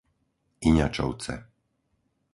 Iňačovce